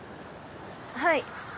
はい。